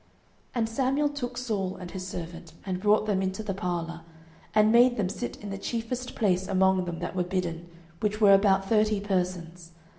09:009:022 And Samuel took Saul and his servant, and brought them into the parlour, and made them sit in the chiefest place among them that were bidden, which were about thirty persons.